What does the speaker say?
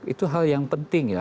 itu hal yang penting ya